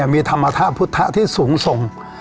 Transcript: มีธรรมธาตุพุทธที่สูงส่ง